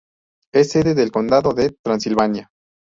Es sede del condado de Transilvania.